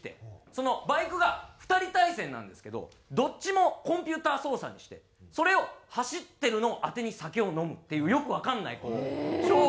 そのバイクが２人対戦なんですけどどっちもコンピューター操作にしてそれを走ってるのをあてに酒を飲むっていうよくわかんないこう。